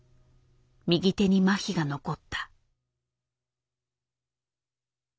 右手に麻痺が残った。